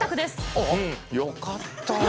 あよかった。